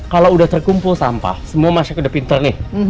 kalau sudah terkumpul sampah semua masyarakat sudah pintar nih